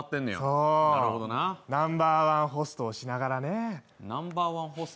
そう、ナンバーワンホストをしながらね。